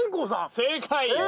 正解。